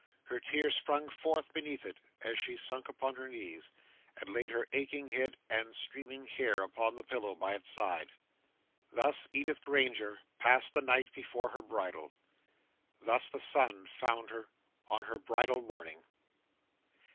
Her tears sprung forth beneath it, as she sunk upon her knees, and laid her aching head and streaming hair upon the pillow by its side. Thus Edith Granger passed the night before her bridal. Thus the sun found her on her bridal morning.